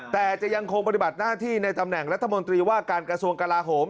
แต่จะยังคงปฏิบัติหน้าที่ในตำแหน่งรัฐมนตรีว่าการกระทรวงกลาโหม